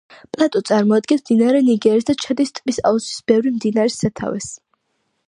პლატო წარმოადგენს მდინარე ნიგერის და ჩადის ტბის აუზის ბევრი მდინარის სათავეს.